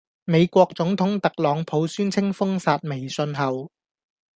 美國總統特朗普宣稱封殺微信後